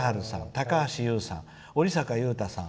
高橋優さん、折坂悠太さん